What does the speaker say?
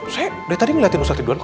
saya dari tadi ngeliatin ustadz duluan kok